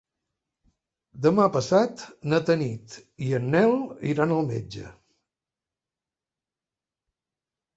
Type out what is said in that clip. Demà passat na Tanit i en Nel iran al metge.